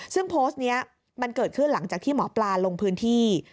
ซึ่งโพสต์นี้มันเกิดขึ้นหลังจากที่หมอปลาลงพื้นที่